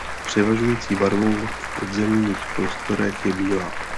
Převažující barvou v podzemních prostorech je bílá.